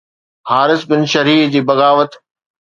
Haris bin Shuraih جي بغاوت